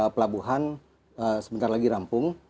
pelabuhan sebentar lagi rampung